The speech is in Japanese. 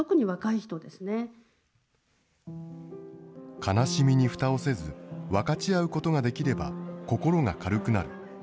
悲しみにふたをせず、分かち合うことができれば心が軽くなる。